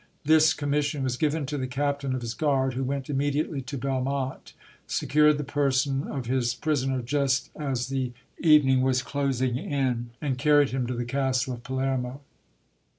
This commission was given to the captain of his guard, who went immediately to Belmonte, secured the person of his prisoner just as the evening was closing in, and carried him to the castle of Palermo.